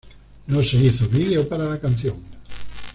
No se hizo video para la canción.